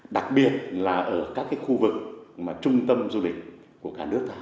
đặc biệt là ở các khu vực trung tâm du lịch của cả nước